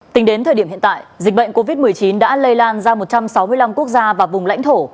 tính đến thời điểm hiện tại dịch bệnh covid một mươi chín đã lây lan ra một trăm sáu mươi năm quốc gia và vùng lãnh thổ